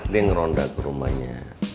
dia ngeronda ke rumahnya